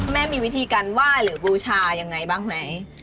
มีวิธีการไหว้หรือบูชายังไงบ้างไหม